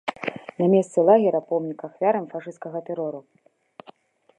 На месцы лагера помнік ахвярам фашысцкага тэрору.